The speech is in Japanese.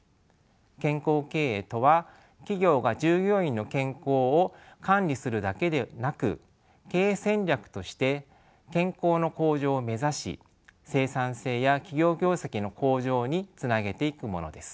健康経営とは企業が従業員の健康を管理するだけでなく経営戦略として健康の向上を目指し生産性や企業業績の向上につなげていくものです。